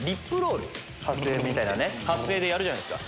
発声でやるじゃないですか。